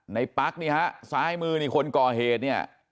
ในปักหนี่ฮะซ้ายมือคนก่อเหตุนี่